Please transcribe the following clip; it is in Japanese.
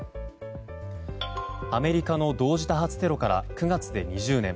アメリカの同時多発テロから９月で２０年。